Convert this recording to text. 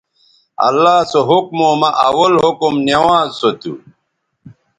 اللہ سو حکموں مہ اول حکم نوانز سو تھو